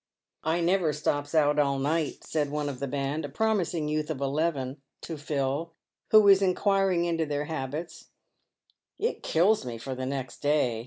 " I never stops out all night," said one of the band, a promising youth of eleven, to Phil, who was inquiring into their habits ;" it kills me for the next day.